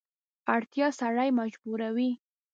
اړتیا سړی مجبوروي.